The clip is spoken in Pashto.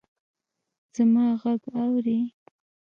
زما ږغ اورې!